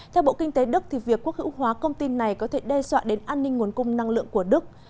theo bộ kinh tế đức việc quốc hữu hóa công ty này có thể đe dọa đến an ninh nguồn cung năng lượng của đức